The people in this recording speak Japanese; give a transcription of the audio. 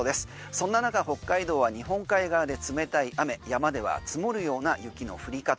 そんな中、北海道は日本海側で冷たい雨山では積もるような雪の降り方。